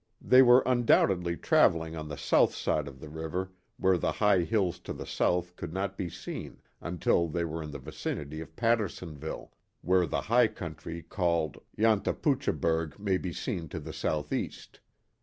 They were undoubtedly travelling on the south side of the river where the high hills to the south could not be seen until they were in the vicinity of Pattersonville, where the high country called Yantaputchaberg may be seen to the southeast.